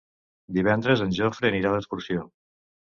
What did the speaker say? Divendres en Jofre anirà d'excursió.